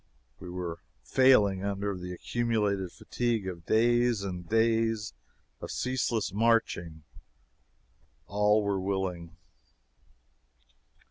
We were failing under the accumulated fatigue of days and days of ceaseless marching. All were willing.